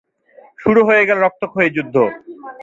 শুরু হয়ে গেল রক্তক্ষয়ী যুদ্ধ।